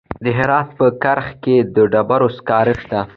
د هرات په کرخ کې د ډبرو سکاره شته.